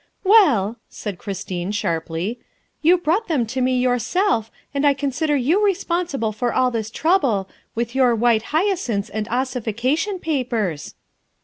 " Well," said Christine sharply, " you brought them to me yourself, and I consider you responsible for all this trouble, with your white hyacinths and ossification papers.